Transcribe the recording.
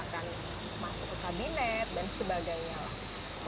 ataupun kemudian sandianda uno ini sosok yang prominent lah untuk dua ribu dua puluh empat